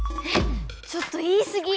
ちょっと言いすぎ！